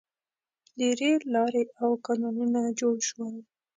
• د رېل لارې او کانالونه جوړ شول.